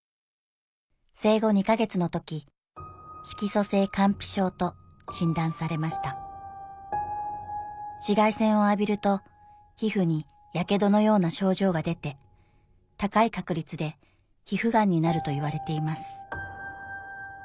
生後２か月の時と診断されました紫外線を浴びると皮膚にやけどのような症状が出て高い確率で皮膚がんになるといわれています